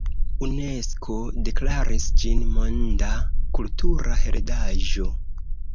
Unesko deklaris ĝin Monda Kultura Heredaĵo.